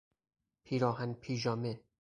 پیراهن پیژامه